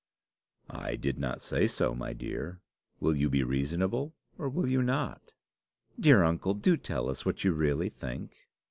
"I did not say so, my dear. Will you be reasonable, or will you not?" "Dear uncle, do tell us what you really think."